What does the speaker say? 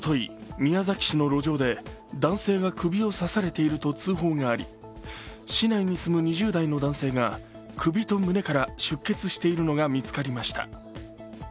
宮崎市の路上で男性が首を刺されていると通報があり市内に住む２０代の男性が首と胸から出血しているのがり見つかりました。